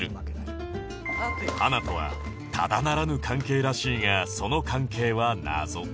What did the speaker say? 花とはただならぬ関係らしいがその関係は謎